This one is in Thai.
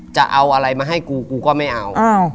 จะเอาอะไรมาให้กูกูก็ไม่เอา